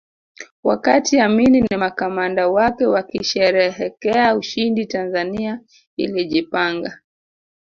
Wakati Amini na makamanda wake wakisherehekea ushindi Tanzania ilijipanga